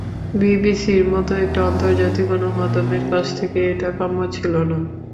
বিবিসির মতো একটি আন্তর্জাতিক গণমাধ্যমের কাছ থেকে এটা কাম্য ছিল না।